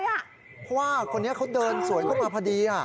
เพราะว่างอาหารนี้เดินสวยไปพอดี